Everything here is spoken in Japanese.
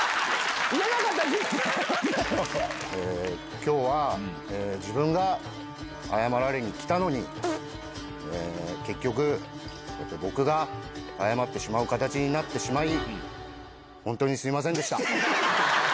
きょうは自分が謝られに来たのに、結局、僕が謝ってしまう形になってしまい、本当にすみませんでした。